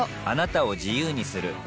あなたを自由にする